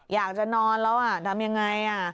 อยากจะนอนแล้วทำยังไง